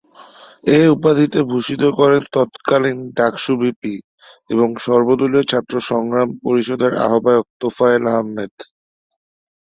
এ উপাধিতে ভূষিত করেন তৎকালীন ডাকসু ভিপি এবং সর্বদলীয় ছাত্র সংগ্রাম পরিষদের আহ্বায়ক তোফায়েল আহমেদ।